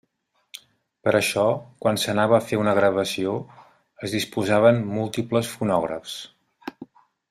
Per això, quan s'anava a fer una gravació, es disposaven múltiples fonògrafs.